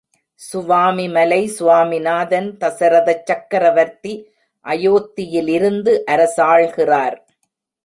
சுவாமிமலை சுவாமிநாதன் தசரதச் சக்கவரவர்த்தி அயோத்தியிலிருந்து அரசாள்கிறார்.